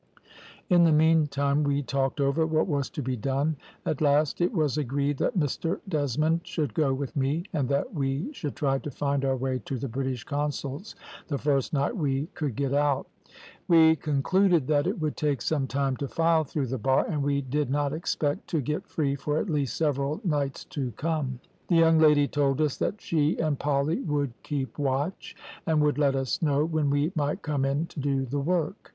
"In the meantime we talked over what was to be done; at last it was agreed that Mr Desmond should go with me, and that we should try to find our way to the British Consul's the first night we could get out. We concluded that it would take some time to file through the bar, and we did not expect to get free for at least several nights to come. The young lady told us that she and Polly would keep watch, and would let us know when we might come in to do the work.